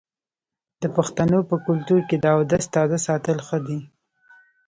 د پښتنو په کلتور کې د اودس تازه ساتل ښه دي.